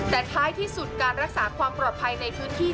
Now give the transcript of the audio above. แต่ท้ายที่สุดการรักษาความปลอดภัยในพื้นที่